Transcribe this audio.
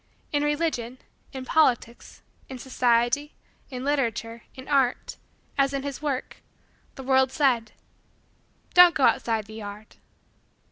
In religion, in politics, in society, in literature, in art as in his work the world said: "Don't go outside the yard."